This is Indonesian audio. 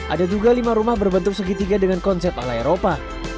ada juga lima rumah berbentuk segitiga dengan konsep ala eropa